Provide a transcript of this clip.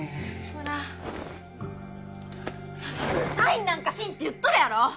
サインなんかしんって言っとるやろ！